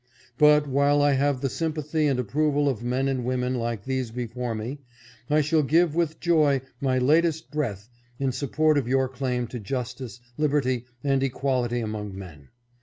But while I have the sympathy and approval of men and women like these before me, I shall give with joy my latest breath in support of your claim to justice, liberty and equality among men.